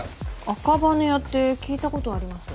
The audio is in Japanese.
赤羽屋って聞いたことあります。